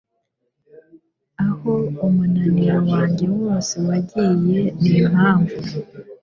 Aho umunaniro wanjye wose wagiye nimpamvu